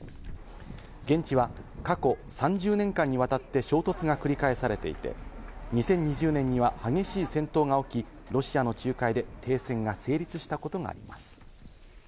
現地は過去３０年間にわたって衝突が繰り返されていて、２０２０年には激しい戦闘が起き、ロシアの仲介で停戦が成立したことがあります。